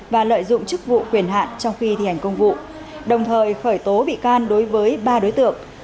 và lợi dụng chức vụ quyền hạn trong khi thi hành công vụ đồng thời khởi tố bị can đối với ba đối tượng